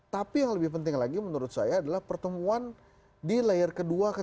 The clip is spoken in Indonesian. tapi yang lebih penting lagi menurut saya adalah pertemuan di layar ke dua ke tiga dan ke empat